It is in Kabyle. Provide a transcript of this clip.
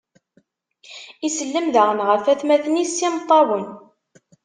Isellem daɣen ɣef watmaten-is s imeṭṭawen.